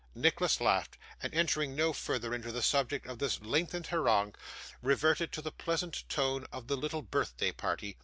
Nicholas laughed, and entering no further into the subject of this lengthened harangue, reverted to the pleasant tone of the little birthday party.